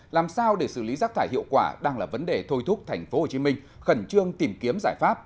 làm sao để xử lý rác thải hiệu quả đang là vấn đề thôi thúc tp hcm khẩn trương tìm kiếm giải pháp